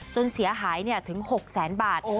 จนเสียหายถึง๖แสนบาท